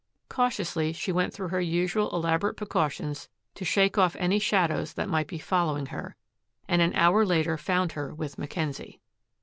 Cautiously she went through her usual elaborate precautions to shake off any shadows that might be following her, and an hour later found her with Mackenzie.